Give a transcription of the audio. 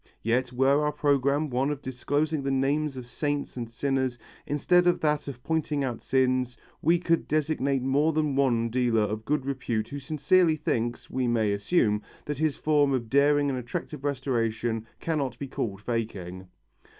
Yet, were our programme one of disclosing the names of saints and sinners instead of that of pointing out sins, we could designate more than one dealer of good repute who sincerely thinks, we may assume, that his form of daring and attractive restoration cannot be called faking.